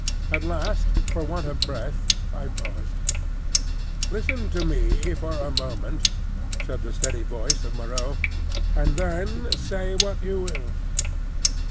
At last for want of breath I paused. "Listen to me for a moment," said the steady voice of Moreau; "and then say what you will."